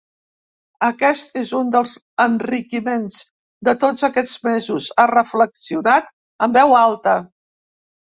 Aquest és un dels enriquiments de tots aquests mesos, ha reflexionat en veu alta.